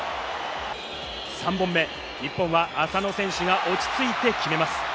３本目、日本は浅野選手が落ち着いて決めます。